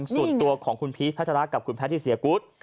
ส่วนตัวของคุณพีชพัชรากับคุณแพทย์ที่เสียกุ๊ด